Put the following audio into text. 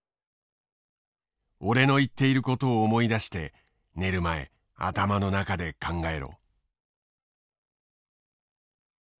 「オレの言っていることを思い出してねる前頭の中で考えろ」。